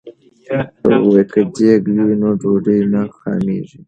که دیګ وي نو ډوډۍ نه خامېږي.